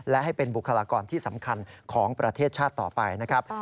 และให้เป็นบุคลากรที่สำคัญของประเทศชาติต่อไปนะครับ